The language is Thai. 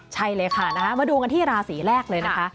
ใช่เลยค่ะมาดูกันที่ราศีแรกเลยนะคะ